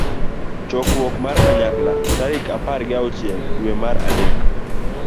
chokruok mar kanyakla tarik apar gi auchiel dwe mar adek